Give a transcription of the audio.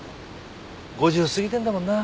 ５０過ぎてんだもんな。